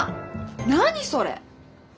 何それ！？